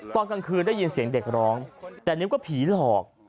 ตอนกลางคืนได้ยินเสียงเด็กร้องแต่นิ้วก็ผีหลอก